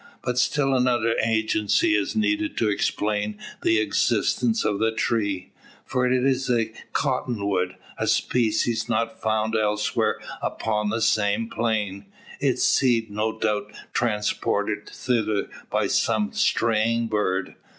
But still another agency is needed to explain the existence of the tree. For it is a "cottonwood" a species not found elsewhere upon the same plain; its seed no doubt transported thither by some straying bird.